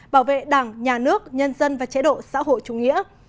bảo vệ đảng nhà nước nhân dân và chế độ xã hội chủ nghĩa